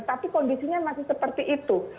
tapi kondisinya masih seperti itu